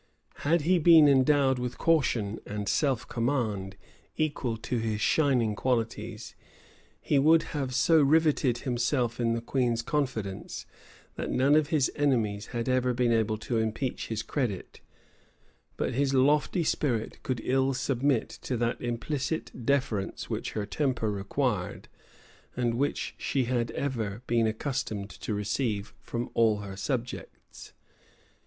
Had he beer endowed with caution and self command equal to his shining qualities, he would have so rivetted himself in the queen's confidence, that none of his enemies had ever been able to impeach his credit: but his lofty spirit could ill submit to that implicit deference which her temper required, and which she had ever been accustomed to receive from all her subjects.